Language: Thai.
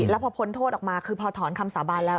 แล้วพอพ้นโทษออกมาคือพอถอนคำสาบานแล้ว